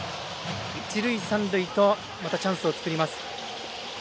一塁三塁とチャンスを作ります。